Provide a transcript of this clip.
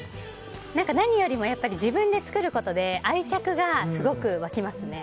何よりも自分で作ることで愛着がすごく湧きますね。